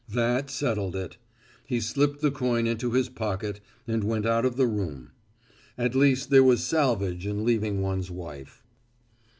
That settled it. He slipped the coin into his pocket, and went out of the room. At least there was salvage in leaving one's wife.